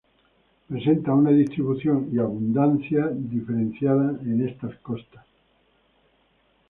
Presenta una distribución y abundancia diferenciada en estas costas.